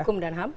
hukum dan ham